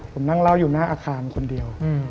ผมนั่งเล่าอยู่หน้าอาคารคนเดียว